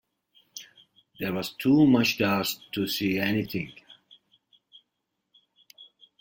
There was too much dust to see anything.